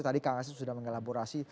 tadi kang asep sudah mengelaborasi